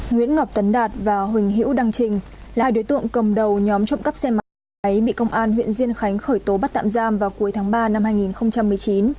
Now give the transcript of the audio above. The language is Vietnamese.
nguyễn ngọc tấn đạt và huỳnh hữu đăng trình là hai đối tượng cầm đầu nhóm trộm cắp xe máy bị công an huyện diên khánh khởi tố bắt tạm giam vào cuối tháng ba năm hai nghìn một mươi chín